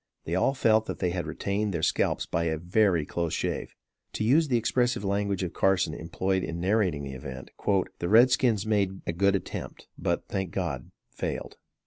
They all felt that they had retained their scalps by a very close shave. To use the expressive language of Carson employed in narrating the event "The red skins made a good attempt but, thank God, failed."